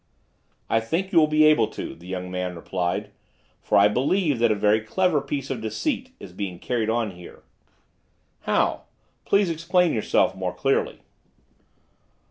"I think you will be able to," the young man replied; "for I believe that a very clever piece of deceit is being carried on here." "How? Please explain yourself more clearly."